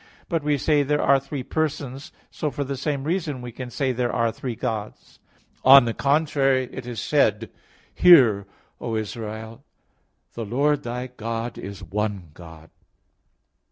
But we say there are three persons. So for the same reason we can say there are "three Gods." On the contrary, It is said (Deut. 6:4): "Hear, O Israel, the Lord thy God is one God."